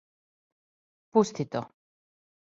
Пусти то.